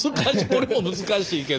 これも難しいけど。